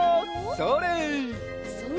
それ。